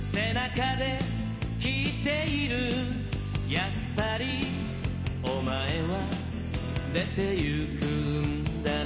「やっぱりお前は出て行くんだな」